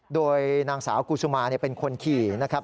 โดยนางสาวกุศุมาเป็นคนขี่นะครับ